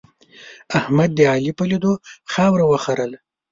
احمد د علي په لیدو خاوره وخرله.